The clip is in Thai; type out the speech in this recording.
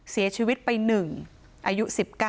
เสียชีวิตไป๑อายุ๑๙